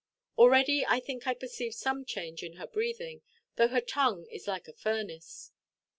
Already I think I perceive some change in her breathing, though her tongue is like a furnace."